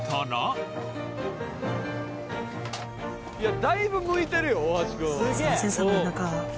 「いやだいぶ向いてるよ大橋くん」